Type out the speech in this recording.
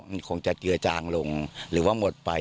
มันคงจะเกลือจางลงหรือว่าหมดไป